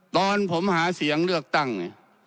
ตอนผมหาเสียงเลือกตั้งเนี่ย